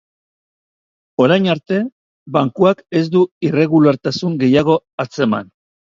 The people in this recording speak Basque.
Orain arte, bankuak ez du irregulartasun gehiago atzeman.